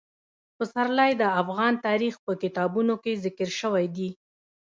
پسرلی د افغان تاریخ په کتابونو کې ذکر شوی دي.